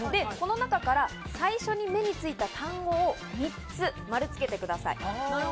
この中から最初に目についた単語を３つ丸をつけてください。